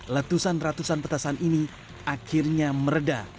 letusan ratusan petasan ini akhirnya meredah